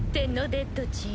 デッドちん。